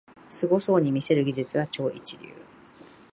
すごそうに見せる技術は超一流